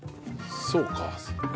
そうか。